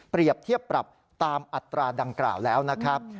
เทียบปรับตามอัตราดังกล่าวแล้วนะครับ